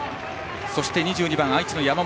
そして２２番、愛知の山本。